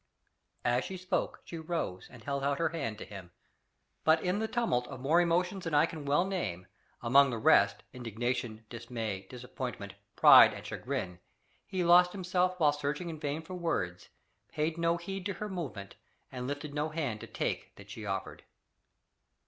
As she spoke she rose and held out her hand to him. But in the tumult of more emotions than I can well name amongst the rest indignation, dismay, disappointment, pride, and chagrin, he lost himself while searching in vain for words, paid no heed to her movement, and lifted no hand to take that she offered.